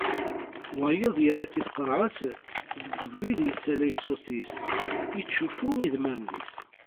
Wayeḍ yerra-tt i tqerεet, deg ubrid yessalay ṣṣut-is, ittcuffu idmaren-is.